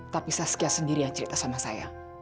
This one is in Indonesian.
tapi saskia sendiri yang cerita sama saya